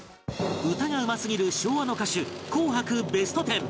歌がうますぎる昭和の歌手紅白ベストテン